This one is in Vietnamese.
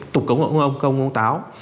tục cúng ông công công táo